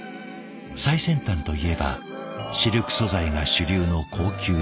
最先端といえばシルク素材が主流の高級志向。